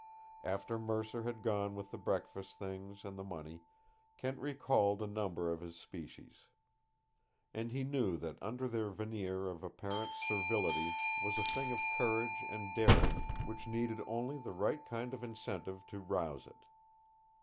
After Mercer had gone with the breakfast things and the money, Kent recalled a number of his species. And he knew that under their veneer of apparent servility was a thing of courage and daring which needed only the right kind of incentive to rouse it.